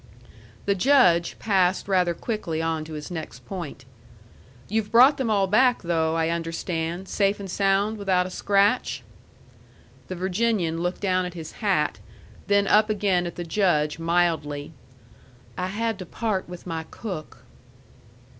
The Judge passed rather quickly on to his next point. "You've brought them all back, though, I understand, safe and sound, without a scratch?" The Virginian looked down at his hat, then up again at the Judge, mildly. "I had to part with my cook."